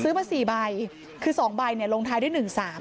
ซื้อมาสี่ใบคือสองใบเนี่ยลงท้ายด้วยหนึ่งสาม